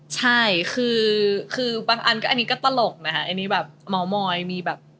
ใช่คือบางอันก็อันนี้ก็ตลกนะคะอันนี้แบบเมามอยมีแบบ